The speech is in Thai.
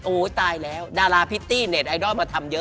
ตายแล้วดาราพริตตี้เน็ตไอดอลมาทำเยอะ